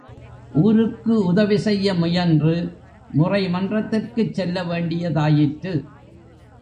ஊருக்கு உதவி செய்ய முயன்று முறை மன்றத்துக்குச் செல்ல வேண்டியதாயிற்று.